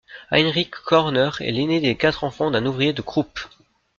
Heinrich Korner est l'aîné des quatre enfants d'un ouvrier de Krupp.